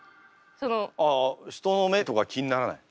あ人の目とか気にならない？